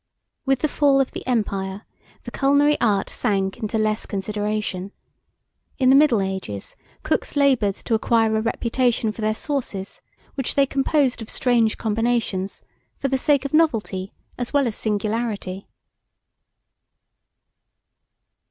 With the fall of the empire, the culinary art sank into less consideration. In the middle ages, cooks laboured to acquire a reputation for their sauces, which they composed of strange combinations, for the sake of novelty, as well as singularity.